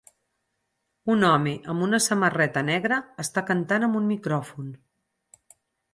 un home amb una samarreta negra està cantant amb un micròfon.